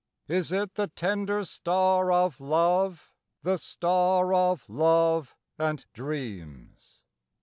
Is it the tender star of love? The star of love and dreams?